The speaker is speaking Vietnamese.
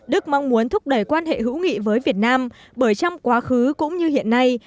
đức mong muốn thúc đẩy quan hệ hữu nghị với việt nam bởi trong quá khứ cũng như hiện nay